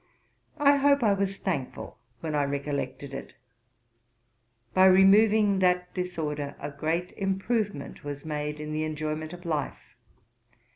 I hope I was thankful when I recollected it; by removing that disorder a great improvement was made in the enjoyment of life.